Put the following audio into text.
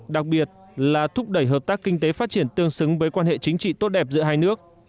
đặc biệt là thúc đẩy hợp tác kinh tế phát triển tương xứng với quan hệ chính trị tốt đẹp giữa hai nước